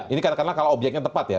ini karena objeknya tepat ya